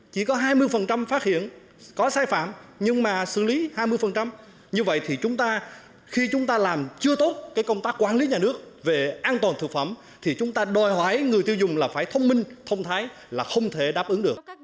chỉ có hai mươi phát hiện có sai phạm nhưng mà xử lý hai mươi như vậy thì chúng ta khi chúng ta làm chưa tốt cái công tác quản lý nhà nước về an toàn thực phẩm thì chúng ta đòi hỏi người tiêu dùng là phải thông minh thông thái là không thể đáp ứng được